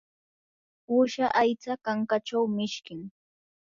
uusha aycha kankachaw mishkim.